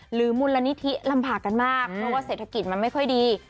หรือมูลนิธิลำบากกันมากเพราะว่าเศรษฐกิจมันไม่ค่อยดี